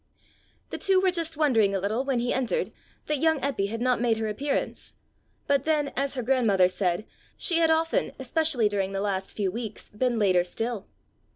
The two were just wondering a little when he entered, that young Eppy had not made her appearance; but then, as her grandmother said, she had often, especially during the last few weeks, been later still!